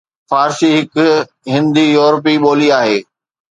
فارسي هڪ هند-يورپي ٻولي آهي